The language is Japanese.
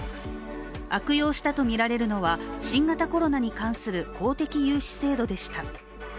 悪用したとみられるのは新型コロナに関する公的融資制度でした。